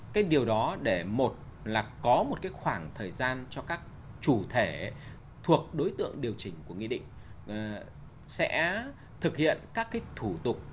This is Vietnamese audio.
cái điều đó để một là có một cái khoảng thời gian cho các chủ thể thuộc đối tượng điều chỉnh của nghị định sẽ thực hiện các cái thủ tục